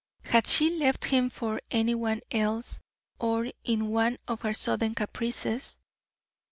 Had she left him for any one else, or in one of her sudden caprices?